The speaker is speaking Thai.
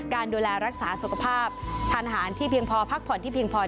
การดูแลรักษาสุขภาพทานอาหารที่เพียงพอพักผ่อนที่เพียงพอ